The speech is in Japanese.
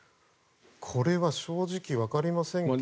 これは正直、わかりませんけれど。